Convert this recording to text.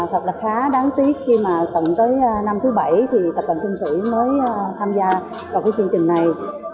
thật là khá đáng tiếc khi mà tận tới năm thứ bảy thì tập đoàn trung sĩ mới tham gia vào cái chương trình này